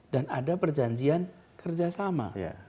dan ada perjanjian kerjasama